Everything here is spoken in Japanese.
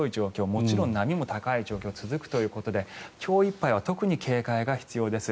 もちろん波も高い状況が続くということで今日いっぱいは特に警戒が必要です。